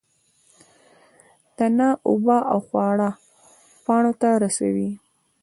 تنه اوبه او خواړه پاڼو ته رسوي